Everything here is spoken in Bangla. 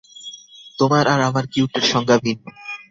তোমার আর আমার কিউটের সংজ্ঞা ভিন্ন।